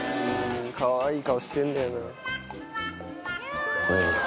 かわいい顔してんだよな。